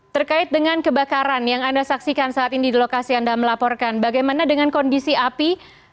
terkait dengan kebakaran yang anda saksikan saat ini di lokasi anda melaporkan bagaimana dengan kondisi api